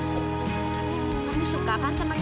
kamu suka kan sama candy